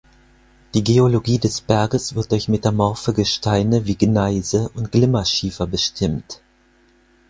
Die Geologie des Berges wird durch metamorphe Gesteine, wie Gneise und Glimmerschiefer bestimmt.